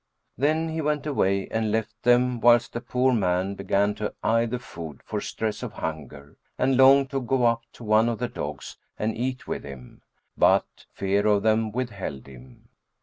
Then he went away and left them, whilst the poor man began to eye the food, for stress of hunger, and longed to go up to one of the dogs and eat with him, but fear of them withheld him.